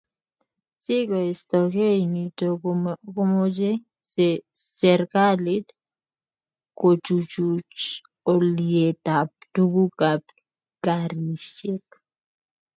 Si keistoekei nito komochei serkalit kochuchuch olyetab tugukab garisiek